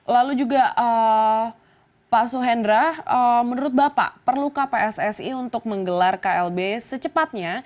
lalu juga pak suhendra menurut bapak perlukah pssi untuk menggelar klb secepatnya